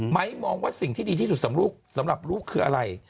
ไมค์มองว่าสิ่งที่ดีที่สุดสำหรับลูกสำหรับลูกคืออะไร